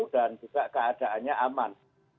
dan juga keadaannya aman